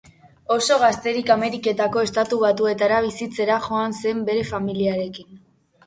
Oso gazterik Ameriketako Estatu Batuetara bizitzera joan zen bere familiarekin.